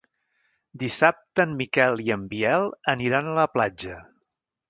Dissabte en Miquel i en Biel aniran a la platja.